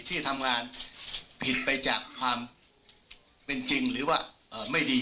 ที่ทำงานผิดไปจากความเป็นจริงหรือว่าไม่ดี